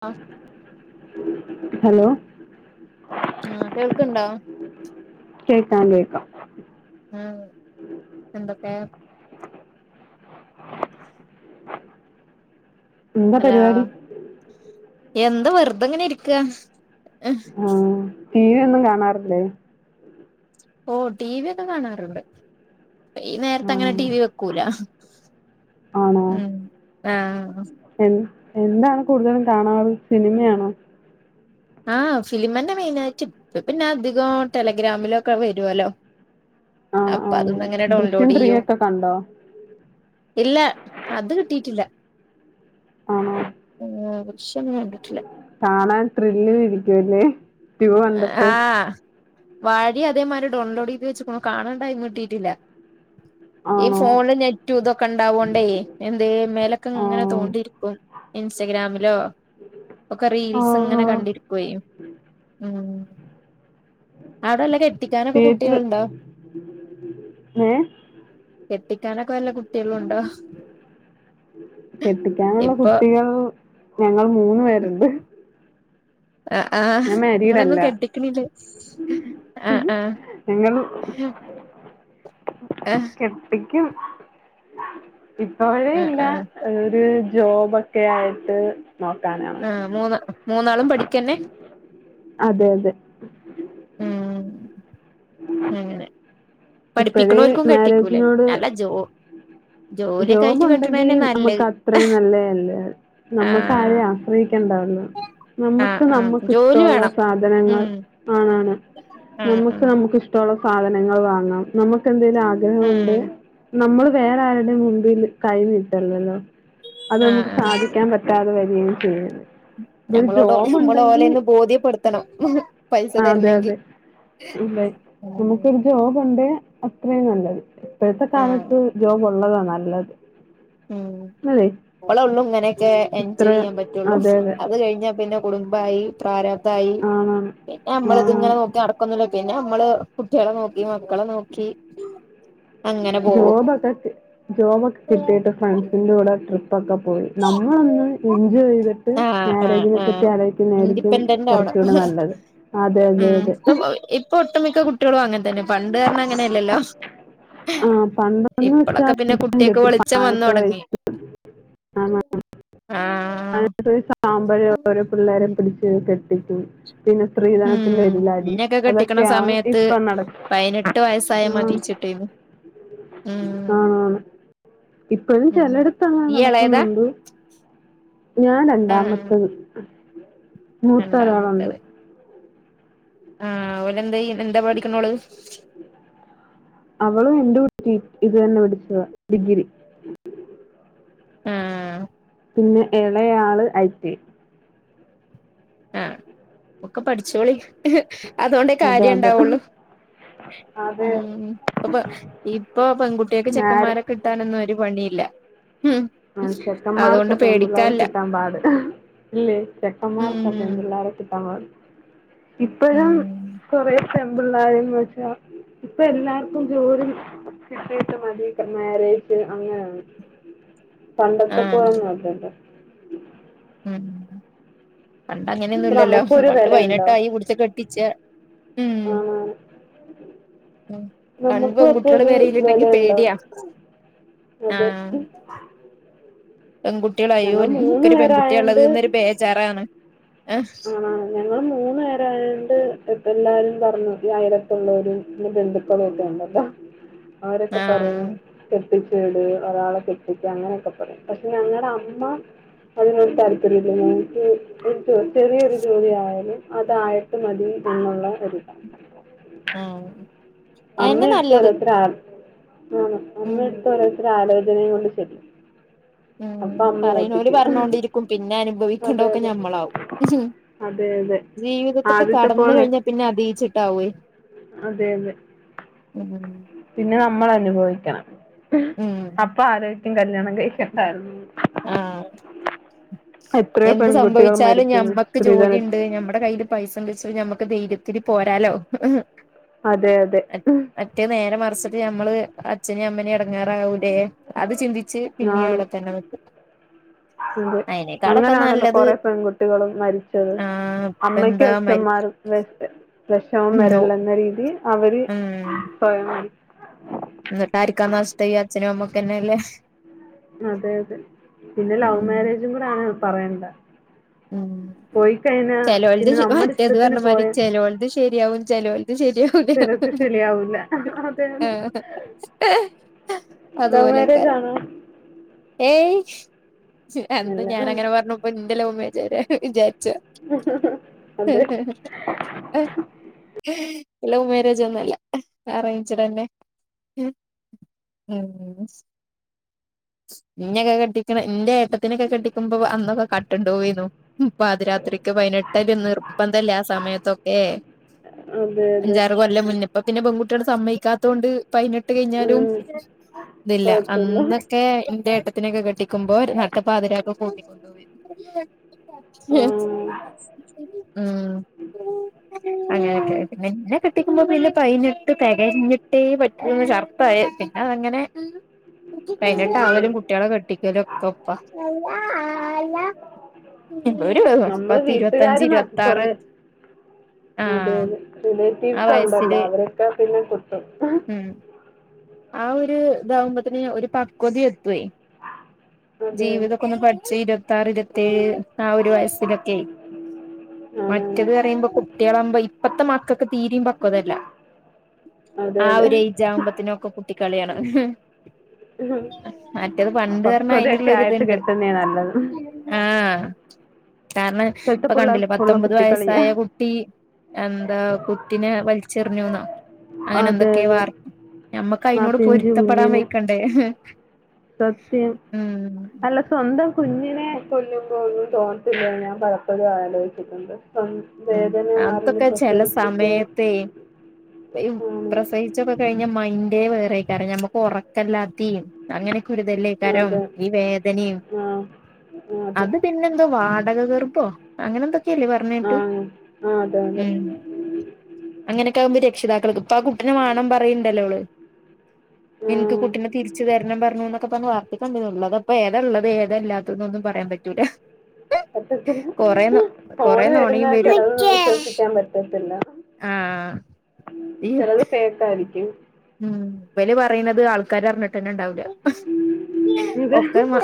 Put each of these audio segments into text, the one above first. അ [unintelligible] hello ആഹ കേൾക്ക്‌ ണ്ടോ കേക്കാ കേക്കാം ഉം എന്തൊക്കെ എന്താ ഹലോ പരിപാടി എന്താ വെറുതെങ്ങനെ ഇരിക്കുക ആഹ ടി വി ഒന്നും കാണാറില്ലേ ഓ ടി വി ഒക്കെ കാണാറുണ്ട് ഈ നേരത്തെ ആ, അങ്ങനെ ടി വി വെക്കൂല ആണോ ഉം ആഹ എൻ- എന്താണ് കൂടുതലും കാണാറ് സിനിമയാണോ ആഹ ഫിലിംന്നെ മെയിന ആയിട്ട് പിന്നെ അധികം ടെലഗ്രാമിലൊക്കെ വരുവല്ലോ ആ ആ അപ്പൊ അതൊന്നും എങ്ങനെ ദൃശ്യം ഡൗൺലോഡ് ത്രീ ചെയ്യും ഒക്കെ കണ്ടോ ഇല്ല അത് കിട്ടിട്ടില്ല ആണോ ഉം [inaudible] വിശന്ന് കണ്ടിട്ടില്ല കാണാൻ ത്രില്ലിൽഇരിക്കുവല്ലേ വ്യൂ കണ്ടിട്ട് ആ വാഴി അതേമാതി രിഡോൺലോഡ് ചെയ്ത് വെച്ചക്കണു കാണണ്ടായിന്ന് കട്ടിട്ടില്ല ഈ ആണോ ഫോണില് നെറ്റൂ ഇതൊക്കെ ഉണ്ടാവോണ്ടേ എന്ത് മേലൊക്കെ ആ ഇങ്ങനെ തോണ്ടിരിക്കും ഇൻസ്റ്റഗ്രാമിൽ ഹല്ലോ ഒക്കെ ആ റീൽസ് ഇങ്ങനെ ആ കണ്ടിരിക്കുകയും ഉം അവിടെല്ല കെട്ടിക്കാനൊക്കെ തിയേറ്റർ കുട്ടികളുണ്ടോ ഏ കുഴിക്കാനൊക്ക വല്ല കുട്ടികളും ഉണ്ടോ കെട്ടിക്കാനുള്ള ഇപ്പൊ കുട്ടികൾ ഞങ്ങൾ മൂന്ന്പേരുണ്ട് ആ ആഹ് ഇങ്ങളൊന്നും അല്ല കെട്ടിക്കണില്ലേ ആ ആഹ ഞങ്ങൾ ആഹ എന്നിക്കും ഇപ്പോഴേ ആ ഇല്ല ആ ഒരു ജോബ് ഒക്കെ ആയിട്ട് നോക്കാനാണ് ആഹ മൂന്ന് അതെ അതെ ഉം അങ്ങനെ ഇപ്പഴേ പഠിപ്പിക്കണോൽക്കും കെട്ടിക്കൂലേ മാരേജിനോട് അല്ല ജോ ജോലിയൊക്കെ ജോബ് ആയിട്ട് കെട്ടണന്നെ ഉണ്ടെങ്കിൽ നമുക്ക് നല്ലത് അത്രയും നല്ലതല്ല ആ നമ്മുക്ക് ആരെയു ആശ്രയിക്കണം എണ്ടന്ന ആ നമ്മുക്ക് ആ നമ്മുക്ക് ജോലി ഇഷ്ടമുള്ള വേണം സാധനങ്ങൾ ഉം ആണാണ് ആ ആ നമ്മുക്ക് നമുക്ക്ിഷ്ടമുള്ള സാധനങ്ങൾ വാങ്ങാം നമുക്കെന്തേലും ആഗ്രഹമുണ്ട് ഉം നമ്മള് വേറെ ആരുടെയും മുമ്പിൽ കയിനിട്ടല്ലല്ലോ അത് ആ നമുക്ക് സാധിക്കാൻ പറ്റാതെ വരു ഉ [inaudible] ഞമ്മളോട് ഞമ്മള ഓലെന്ന് ബോധ്യപ്പെടുത്തണം പൈസ ആഹ് അതെ തരണമെങ്കിൽ അതെ അതെ നമുക്കൊരു ജോബുണ്ടേ അത്രയും നല്ലത് ഇപ്പഴത്തെ കാലത്ത് ജോബ് ഉള്ളതാണ് നല്ലത് ഉം അതെ അല ഉള്ളുങ്ങ ഒക്കെ ഇത്ര എൻജോയ് ചെയ്യാൻ പറ്റുള്ളൂ അതെ അതെ അത് കഴിഞ്ഞാൽ പിന്നെ കുടുംബായി പ്രാര അതായി ആണാണ് പിന്നെ നമ്മള ഇത്ങ്ങനെ ആണാണ് നോക്കി നടക്കന്നല്ല പിന്നെ നമ്മള് കുട്ടികളെ നോക്കി മക്കളെ നോക്കി ഉ ജോബൊക്കെ ജോബൊക്കെ കിട്ടിട്ട് ഫ്രാൻസിൻന്റെ കൂടെ ഇൊക്കെ പോയി നമ്മളൊന്ന് എൻജോയ് ചെയ്തിട്ട് ആഹ് ആഹ് മാരേജിനെ ആഹ് പറ്റി ആലയിക്കുന്നതായിരിക്കും ഇൻഡിപെൻഡന്റ് ആവണം കുറച്ചുകൂടെ നല്ലത് അതെതെതെ ഇഷ്ട മിക്ക കുട്ടികളും അങ്ങനെ തന്നെ പണ്ട് കാരണം അങ്ങനെയ അല്ലല്ലോ ആഹ പണ്ടൊന്ന് പിന്നെ വെച്ചാൽ കുട്ടിയക്ക് കെട്ടി വെളിച്ചം വന്ന് പാലെട്ട് തൊടങ്ങി വയസ് ആ അ ആഹ് സാമ്പഴ ഓരോ പിള്ളേരെ ഉം പിടിിച്ച എത്തിട്ടു പിന്നെ സ്ത്രീധനത്തിന്റെ ഉം വഴലാടി ഇന്നെയൊക്കെ കെട്ടിക്കണ അതൊക്കെയാണ് സമയത്ത് ഇപ്പ നടക്ക പതിനെട്ട് വയസ്സായ ഉ ആണ മതിച്ചിട്ടേന്ന് ഉം ആണ് ഇപ്പഴും ഉം ചിലയിടത്താണ് ഇയ്യ് എളേതാ നടക്കുന്നുണ്ട് ഞാൻ ആഹ് രണ്ടാമത്തത് മൂത്തൊരാളുണ്ട് രണ്ടാമത്തത് ആഹ് ഓലേന്തേ എന്താ പഠിക്കണോള് അവളും ൻ്റെ ഇത് തന്നെ പഠിക്കുവാ ഡിഗ്രി ആഹ് പിന്നെ ഇളയാള് ഐ റ്റി ഐ ആഹ് ഒക്കെ പഠിച്ചോളി അതുകൊണ്ടേ അതെ കാര്യം അതെ ഇണ്ടാവുള്ളു ഉ അതെ അപ്പൊ ഇപ്പൊ പെൺകുട്ടിയൊക്ക് നേരെ ചെക്കന്മാരെ കിട്ടാനൊന്നും ഒരു പണിയില്ല ഉം ആ അതുകൊണ്ട് ചെക്കന്മാർക്കെ പെൺമ്പള്ളേര പേടിക്കാല്ല കിട്ടാൻ പാട് ഇല്ലേ? ചെക്കന്മാർക്ക് ഉം പെൺപിള്ളേരെ കിട്ടാൻ പാട് ഇപ്പഴും ഉം കൊറ പെമ്പിള്ളാര് എന്ന് വെച്ചാൽ ഇപ്പൊ എല്ലാർക്കും ജോലി കിട്ടിയിട്ട് മതി മാരേജ് അങ്ങനെയാണ് പണ്ടത്തെപ്പോലെ ആഹ് ഒന്നും അല്ലല്ലോ? ഉം പണ്ട് ഇപ്പൊ അങ്ങനെയൊന്നുല്ലല്ലോ നമുക്കും ഒരു പണ്ട് വിലയുണ്ടോ പതിനെട്ടായി പുടിച്ചു കെട്ടിച്ച ഉം ആണ് പണ്ട് നമുക്കും അപ്പൊ പെൺകുട്ടികള് ഒരു പേരെലുണ്ടെങ്കി വിലയുണ്ടോ പേടിയാ ആ അതെ പെൺകുട്ടികൾ അയ്യോ ഞങ്ങൾ മൂന്ന് ഇൻക്കൊരു പെൺകുട്ടിയ ഉള്ളര് ബേജാറാണ് ആഹ് ആ ഞങ്ങള് മൂന്ന് പേരായണ്ട് എല്ലാരും പറഞ്ഞു ഈ അയിലത്തുള്ളവര ബന്ധുക്കളൊക്കെയ ഉണ്ടല്ലോ ആരൊക്കെ പറയാൻ ആഹ് കെട്ടിച്ചു വിട് ഒരാളെ കെട്ടിക്ക അങ്ങനെയൊക്കെ പറയും പക്ഷെ ഞങ്ങളുടെ അമ്മ അതിനോട് താല്പര്യം [unintelligible] ചെറിയൊരു ജോലി ആയാലും അതായിട്ട് മതി എന്നുള്ള ഒരു ഇതാണ് ആ അമ്മ എടുത്ത് ഓരോരുത്ത ആ ഉം അമ്മടുത്ത് ഓരോരുത്തര് ആലോചിക്ക [unintelligible] കൊണ്ട് ശരി ഉം പറയുന്നൊല് പറഞ്ഞോണ്ടിരിക്കും പിന്നെ അതെ അനുഭവിക്കേണ്ടതൊക്കെ അതെ ഞമ്മളാവും അതെ അതെ ജീവിതത്തൊക്കെ ആദ്യത്തെ കടന്ന് പോലെ കഴിഞ്ഞ പിന്നെ അതയിച്ചി താവേ അതെ അതെ പിന്നെ ന മ്മൾ അനുഭവിക്കണം ഉം അപ്പാ ആര ക്കും കല്യണം കയിക്കണ്ടാര്ന്ന് ആ എത്രയോ എന്ത് പെൺകുട്ടികൾ സംഭവിച്ചാലും മരിക്കുന്നു ഞമ്മക്ക് സ്ത്രീധനത്തിൽ ജോലിണ്ട് ഞമ്മടെ കയ്യിൽ പൈസ ഉണ്ടച ഞമ്മക്ക് ധൈര്യത്തില് പോരാലോ അതെ അതെ മറ്റേ നേരെ മറച്ചിട്ട് ഞമ്മള് അച്നും അമ്മനെം എട എടങേറാവൂലെ അത് ചിന്തിച്ച് പിന്നീ അവിടെത്തന്നെ നിക്കും അത് അയിനേക്കാളൊക്കെ അങ്ങനെയാണല്ലോ നല്ലത് കൊറെ പെൺകുട്ടികളും മരിച്ചത് ആഹ് ഇപ്പ അമ്മക്ക് എന്താ മരി അച്ഛന്മാരും വസ് ലക്ഷവും ഉം വരല്ല എന്ന രീതി അവർ സ്വയ എന്നിട്ട ആരിക്കാ നഷ്ടം ഈ അച്ഛനും അമ്മക്കന്നെയല്ലേ അതെ അതെ പിന്നെ ലവ് ഉം മാരേജും കൂടെ ആണ് പറയണ്ട ഉം പോയി കഴിഞ്ഞാ ചിലോൽത് പിന്നെ നമ്മുടെ മറ്റേത് ഇഷ്ടത്തിന് പറഞ്ഞമാതിരീ പോയ ചേലോൽതു ശരിയാവും ചേലോൽത് ശരിയാവില്ല ചിലർക്ക് ശരിയാവൂല അതെ അതെ ലവ് അതുപോലെക്കര മാരേജ് ആണോ ഏയ് ച്ച് അന്ന് അല്ല ഞാന് അങ്ങനെ പറഞ്ഞപ്പോ ന്റെ ലവ് മാര്യേജ് ജരേ വിചാ അതെ ലൗമ്യാരേജൊന്നു അല്ല. അറേൻജ്ടന്നെ. ഇന്നെക്കെ കെട്ടിക്കണ എന്റെ ഏട്ടത്തിനൊക്കെ കെട്ടിക്കുമ്പോ അന്നൊക്കെ കട്ടോണ്ട് വേന്നു പാതിരാത്രിക്ക് പതിനെട്ടല്ലേ നിർബന്ധല്ലേ ആഹ് സമയത്തൊക്കെ അതെ അതെ അഞ്ചാറ് കൊല്ലം മുന്ന് ഇപ്പം പിന്നെ പെൺകുട്ടിള് സമ്മതിക്കാത്തോണ്ട് പയ്ന ട്ട് കഴിഞ്ഞാലും ഉം. ഇതില്ല. കുഴപ്പമില്ല അന്നൊക്കെ ഇന്റെ ഏട്ടത്തിനൊക്കെ കെട്ടിക്കുമ്പോ നട്ട പാതിരാക്ക് കൂട്ടിക്കൊണ്ടുപോവെ ആ, യെസ്. മ്ഹ് അങ്ങനൊക്കെ. പിന്നെ എന്നെ കെട്ടിക്കുമ്പോ പിന്നെ പയിനെട്ട് തെകഞ്ഞിട്ടേ പറ്റ് [unintelligible] ചർത്തായി പിന്നെ അതങ്ങനെ ആ, ആ. പയിനെട്ടാവലും കുട്ടികളെ കെട്ടിക്കലും ഒക്കെ ഒപ്പാ. ഒരു നമ്മള് പത്ത് ഇരുപത്തഞ്ച് വീട്ടുകാര് മതി ഇരുപത്താറ് കൊറെ ആഹ് അതേലെ ആ റിലേറ്റീവ്സ് ഒണ്ടല്ലോ വയസ്സില് അവരൊക്കെ പിന്നെ കുത്തും. ഉം ആ ഒരു ഇതാവുമ്പോത്തേന് ഒരു പക്വത എത്തുവേ. അതെ അതെ ജീവിതൊക്കെ ഒന്ന് പഠിച്ച് ഇരു പത്താറ് ഇരുപത്തേഴ് ആ ഒരു വയസ്സിലൊക്കെ. ആണാണ് മറ്റത് പറയുമ്പോ കുട്ടികളാകുമ്പോ ഇപ്പത്തെ മക്കക്ക് തീരേം പക്വത ഇല്ല. അതെ ആ അതെ ഒരു ഏയ്ജ് ആവുമ്പഴുത്തേനും ഒക്കെ കളിയാണ്. ഉം. മറ്റേത് പണ്ട് പറഞ്ഞാ അതിന് ഒള്ള പക്വതയൊക്കെ ആയിട്ട് ഒരിതിണ്ട്. കെട്ടുന്നേ നല്ലത് ആഹ് കാരണം ഇപ്പോഴത്തെ ഇപ്പൊ പിള്ളേർ കണ്ടില്ലേ ഉള്ള പത്തൊമ്പത് കുട്ടിക്കളിയാ വയസ്സായ കുട്ടി എന്താ കുട്ടിനെ വലിച്ചെറിഞ്ഞൂന്നോ അങ്ങനെ അതെ എന്തൊക്കെയോ അതെ വാർ ഞമ്മക്ക് ആ അയിനോട് പിഞ്ചു പൊരുത്തപ്പെടാൻ കുഞ്ഞിന് വെയ്ക്കണ്ടേ? സത്യം അല്ല സ്വന്തം കുഞ്ഞിനെ നെ കൊല്ലുമ്പോ ഒന്നും തോന്നത്തില്ലേന്ന് ഞാൻ പലപ്പോഴും ആലോചിച്ചിട്ടുണ്ട്. സ്വ ഉം വേദന അറിഞ്ഞ് അന്തൊക്കെ ചില പ്രസവിച്ചിട്ട് സമയത്തെ യും ആണ് പ്രസവിച്ചൊക്കെ കഴിഞ്ഞ മൈൻ്റേ വേറെ [unintelligible] ക്കാറ് നമുക്ക് ഉറക്കല്ലാത്തേം അങ്ങനെക്കൊരുതല്ലേ കാരം അതെ ഈ വേദനയും ആഹ് അതെ അത് പിന്നെന്തോ വാടക ഗർഭോ അങ്ങനെ എന്തൊക്കെയല്ലേ പറഞ്ഞ് കേട്ട്. ആഹ് ആഹ് അതെ അതെ ഉം അങ്ങനൊക്കെ ആകുമ്പോ രക് അതിപ്പ ആ കുട്ടിനെ വേണംന്ന് പറയണ്ടവള് എനിക്ക് ആഹ് കുട്ടിനെ തിരിച്ചു തരണം പറഞ്ഞു എന്നൊക്കെ പറഞ്ഞു കണ്ടതൊള്ളൂ അതിപ്പൊ ഏത ഉള്ളത് ഏത ഇല്ലാത്ത ത്തതൊന്നും പറയാൻ പറ്റൂല. പറ്റത്തില്ല കൊറേ കൊറേ ഫോണ് വരുന്ന നുണയും വരും ചിലതൊന്നും വിശ്വസിക്കാൻ പറ്റത്തില്ല ആ ചിലത് ഫേക്കാരി ക്കും. ഉം ഇവല് പറയ്ണത് ആൾക്കാര് അറിഞ്ഞിട്ട് തന്നെ ഉണ്ടാവ് ല്ല ഇത് ഒക്കെ മ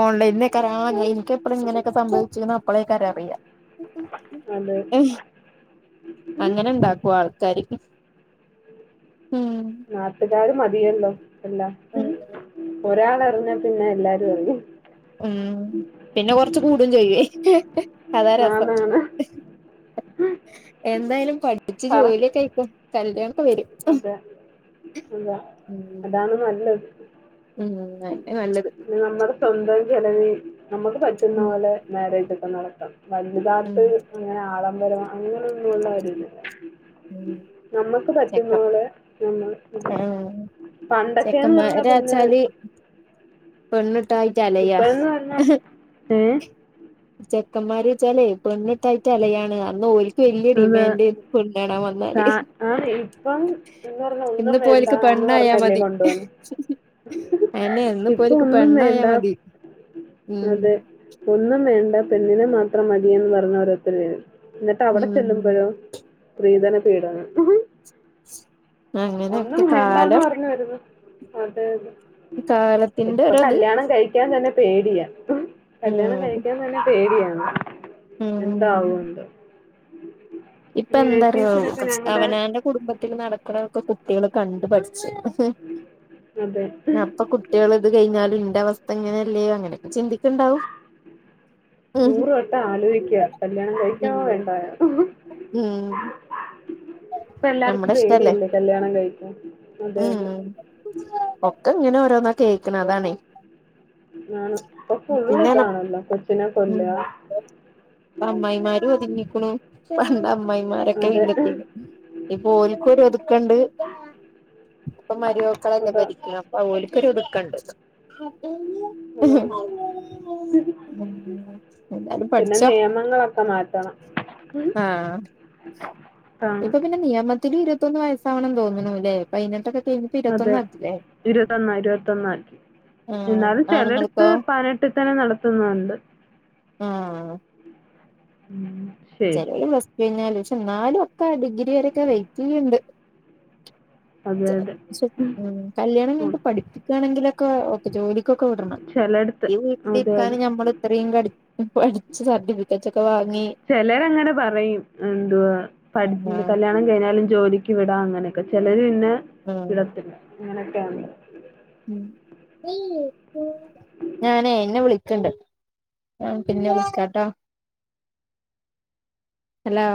ഓൺലൈൻ ആക്കാര ആ എനിക്ക് എപ്പ അപ്പോള ഇങ്ങനെക്കെ സംഭവിച്ച്ന്ന് അപ്പോളൊക്കാരം അറിയ അതെ അങ്ങനെ ഉണ്ടാക്കും ആൾക്കാര് ഉം നാട്ടുകാര് മ തിയല്ലോ അല്ല ഒരാളെ ന്നാ പിന്നെ എല്ലാരും അറിയും ഉം പിന്നെ കൊറച്ച് കൂടുംചെയ്യുവെ അതാരസം ആന്നാണ് എന്തായാലും പഠിച്ചു പറ ജോലിയൊക്കെയിക്ക കല്യാണം അതെ അതാ ഉം അതാണ് നല്ലത് ഉം അതന്നെ നല്ലത് പിന്നെ നമ്മടെ സ്വന്തം ചെലവി നമുക്ക് പറ്റുന്ന ഉം പോലെ മാര്യേജ് ഒക്കെ നട അം ഉം വലുതാട്ട് അങ്ങനെ ആളെ അമ്പലം അങ്ങനെള്ള ഞങ്ങളിലാരുംഇല്ല നമ്മക്ക് പ മേക്കപ്പ് ആ പണ്ടൊക്കെന്ന് പറഞ്ഞാ പിന്നെ ചെക്കമാരാച്ചാല് പെണ്ണ് ട്ടായിട്ടലയാ ഇപ്പഴെന്ന് പറഞ്ഞാ ഏ ചെക്കമ്മാര് ച്ചാലേ പെണ്ണ് കിട്ടയിട്ട് അലയാണ് അന്ന് ഓൽ - വല്യ അതെ ഡിമാൻഡായിന്ന് പെണ്ണ് കാണാൻ വന്നാല് ആ ആണ് ഇപ്പം എന്ന് പറഞ്ഞാ ഒന്നും ഇന്ന്പ്പോ വേണ്ട ഓൽക്ക് എന്ന് പെണ്ണായാ പറഞ്ഞല്ലേ മതി കൊണ്ടുപൊന്നെ അയെന്നെ ഇന്ന്പ്പോ ഇപ്പൊ ഓൽക്ക് ഒന്നും വേണ്ട പെണ്ണായാ മതി ഉം അതെ ഒന്നും വേണ്ട പെണ്ണിനെ മാത്രം മതിയെന്ന് പറഞ് ഒരോരുത്തര് വരും എന്നിട്ട് അവ്ടെ ഉം ചെല്ലുമ്പഴോ സ്ത്രിധന പീഡനം ശ് ഒന്നും വേണ്ടാന്ന് പറഞ്ഞ് വരുന്ന അതെ അതെ കാലത്തിന്റെ ഇപ്പൊ ഒരത് കല്യാണം കഴിക്കാൻ തന്നെ പേടിയാ കല്യാണം ഉം കഴിക്കാൻ തന്നെ പേടിയാ എന്താവും എന്തോ ഇപ്പൊ എന്താറിയോ ഞങ്ങളുടെ അവനാന്റെ കുടുംബത്തിൽ നടക്കുന്നക്കെ കുട്ടികൾ കണ്ട്ഠ അതെ അപ്പൊ കുട്ടികൾ ഇത് കഴിഞ്ഞാലും ഇന്റെ അവസ്ഥ അങ്ങനെ ഉം നൂറ് വട്ടം ആലോചിക്കുക കല്യാണം കഴിക്കമോ വേണ്ടായോ ഹം ഇപ്പ എല്ലാർക്കും പേടിയല്ലേ കല്യാണം കഴിക്കൻ ഉം ഒക്കെ ഇങ്ങനെ ഓരോന്ന കേക്കണ അതാണ ആണ് ഇപ്പൊ ഫുള്ള് പിന്ന ഇതാണല്ലോ കൊച്ചിനെ കൊല്ലുക അമ്മായിമാരും ഒതുങ്ങിക്കണു പണ്ട് അമ്മായിമാരൊക്കെ അതെ ഇല്ലത്തി ഇപ്പോ രിക്കും ഇതുക്കണ്ട് ഇപ്പൊ മരുവക്കളല്ലേ അതാ ഭരിക്കണം അപ്പ പ്പതുക്കണ്ടത് അതാണ് എന്താലും പിന്നെ പഠിച്ചോ നിയമങ്ങളൊക്കെ മാറ്റണം ഉം. ആഹ ആണ് ഇപ്പൊ പിന്നെ നിയമത്തി കഴിഞ്ഞിട്ട് അതെ ഇരുപത്തൊന്ന് ആക്കില്ലേ ഇരുപത്തൊന്ന ഇരുപത്തൊന്ന ആാക്കി ആഹ് എന്നാലും ചിലടത്ത് ആണുങ്ങൾക്കോ പതിനെട്ടിൽ തന്നെ നടത്തുന്നുണ്ട് ആഹ ഉം ശരി ചെല [unintelligible] പിഞ്ഞല് ക്ഷെ നാലും ഒക്കെ ടിഗ് ഇരൊക്കെ വെയിറ്റ് ചെയ്യണ്ട് അതെ അതെ [unintelligible] കല്യാണം കയിട്ട് ഓക്കെ പഠിപ്പിക്കണെങ്കിലൊക്കെ ഒെ ജോലിക്കൊക്കെ വിടണം ചിലയിടത്ത് ഈ അതെ അതെ വീട്ടിലിരിക്കാന് ഞമ്മൾ ഇത്രയും ക പഠിച്ച സർട്ടിഫിക്കറ്റ് ഒക്കെ വാങ്ങി ചെലരങ്ങനെ പറയും എന്തുവാ പഠ ആഹ് കല്യാണം കഴിഞ്ഞാലും ജോലിക്ക് വിടാ അങ്ങനെക്കെ ചെലര് പിന്നെ ആഹ് വിടത്തില്ല അങ്ങനെയൊക്കെയാണ് ഉം ഞാനേ ഇന്നെ വിളിക്ക്ണ്ട് ആ പിന്നെ വിളിക്കാട്ടോ. ഹലോ